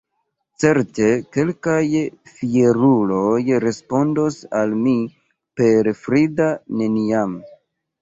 Certe kelkaj fieruloj respondos al mi per frida “neniam”.